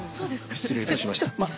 失礼いたしました。